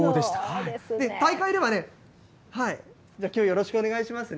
よろしくお願いします。